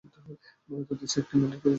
মূলত দেশে একটি ম্যান্ডেট প্রতিষ্ঠা করেছিল।